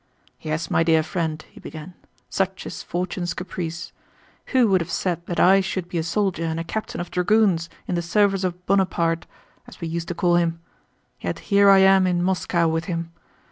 "Yes, my dear friend," he began, "such is fortune's caprice. Who would have said that I should be a soldier and a captain of dragoons in the service of Bonaparte, as we used to call him? Yet here I am in Moscow with him.